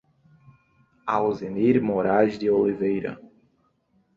Auzenir Morais de Oliveira